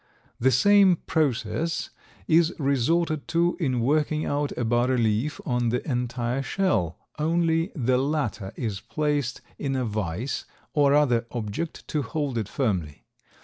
The same process is resorted to in working out a bas relief on the entire shell, only the latter is placed in a vice or other object to hold it firmly.